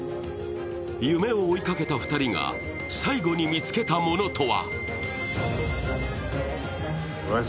夢を追いかけた２人が最後に見つけたものとは？